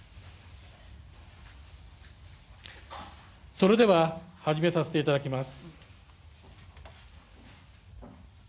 それでは、始めさせていただきます。